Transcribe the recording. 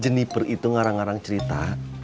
jeniper itu ngarang ngarang cerita